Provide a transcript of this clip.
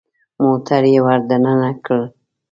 موټر يې ور دننه کړ.